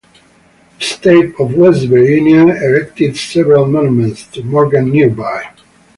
The state of West Virginia erected several monuments to Morgan nearby.